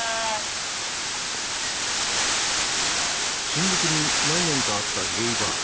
新宿に何軒かあったゲイバー。